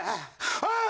おい！